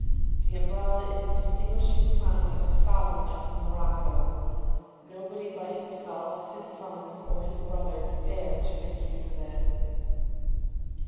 The Umbrella is a distinguishing sign of the sovereign of Morocco. Nobody but himself, his sons, or his brothers dare to make use of it."